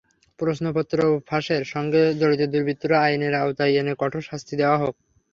প্রশ্নপত্র ফাঁসের সঙ্গে জড়িত দুর্বৃত্তদের আইনের আওতায় এনে কঠোর শাস্তি দেওয়া হোক।